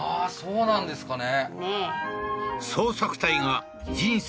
あっそうなんですね